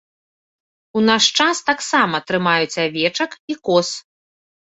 У наш час таксама трымаюць авечак і коз.